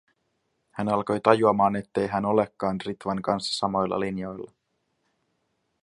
Hän alkoi tajuamaan, ettei hän ollenkaan ole Ritvan kanssa samoilla linjoilla.